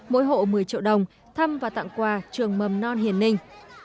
mỗi hộ một mươi triệu đồng thăm và tặng quà trường mầm non hiển ninh